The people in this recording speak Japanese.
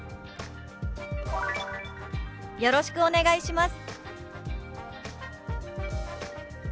「よろしくお願いします」。